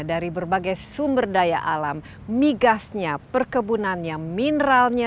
dari berbagai sumber daya alam migasnya perkebunannya mineralnya